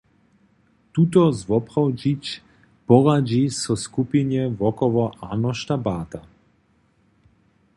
Tuto zwoprawdźić poradźi so skupinje wokoło Arnošta Barta.